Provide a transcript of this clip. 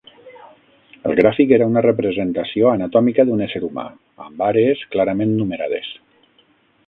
El gràfic era una representació anatòmica d'un ésser humà, amb àrees clarament numerades.